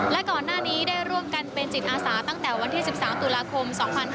และก่อนหน้านี้ได้ร่วมกันเป็นจิตอาสาตั้งแต่วันที่๑๓ตุลาคม๒๕๕๙